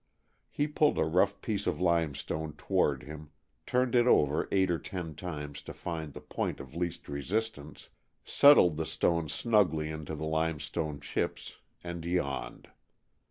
He pulled a rough piece of limestone toward him, turned it over eight or ten times to find the point of least resistance, settled the stone snugly into the limestone chips, and yawned.